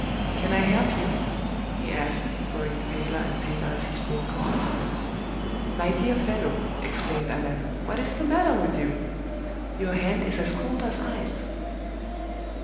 "Can I help you?" he asked, growing paler and paler as he spoke. "My dear fellow," exclaimed Allan, "what is the matter with you? Your hand is as cold as ice."